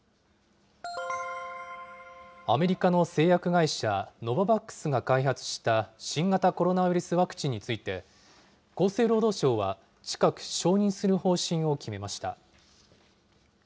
アメリカの製薬会社、ノババックスが開発した新型コロナウイルスワクチンについて、厚生労働省は近く、承認する方針を決めました。